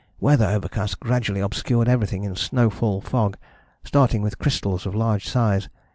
Weather overcast gradually obscured everything in snowfall fog, starting with crystals of large size....